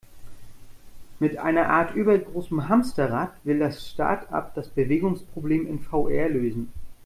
Mit einer Art übergroßem Hamsterrad, will das Startup das Bewegungsproblem in VR lösen.